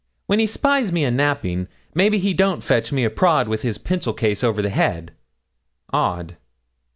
'When he spies me a napping, maybe he don't fetch me a prod with his pencil case over the head. Odd!